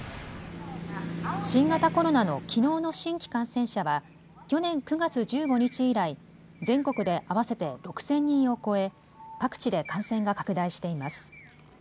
新型コロナのきのうの新規感染者は去年９月１５日以来、全国で合わせて６０００人を超え各地で感染が拡大しています。